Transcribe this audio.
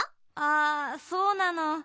あそうなの。